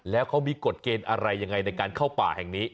แล้วเขามีกฎเกณฑ์อะไรยังไงในการเข้าป่าแห่งนี้